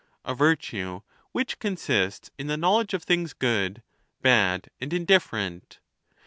a virtue which consists in the knowledge of things good, bad, and indifferent.